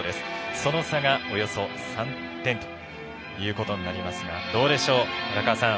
その差がおよそ３点ということになりますがどうでしょう、荒川さん。